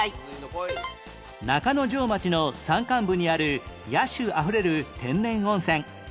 中之条町の山間部にある野趣あふれる天然温泉